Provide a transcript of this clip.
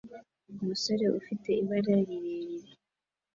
Umusore ufite ibara rirerire